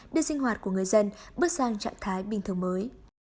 đưa sinh hoạt của người dân bước sang trạng thái bình thường mới